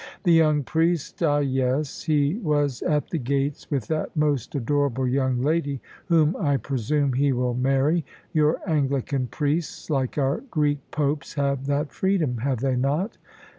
"The young priest ah, yes. He was at the gates with that most adorable young lady, whom I presume he will marry. Your Anglican priests, like our Greek popes, have that freedom, have they not?"